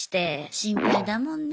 心配だもんね。